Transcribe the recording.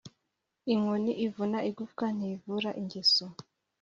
Inkoni ivuna igufwa ngtivura ingeso